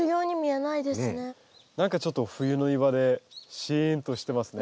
何かちょっと冬の庭でシーンとしてますね。